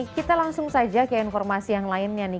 kita langsung saja ke informasi yang lainnya nih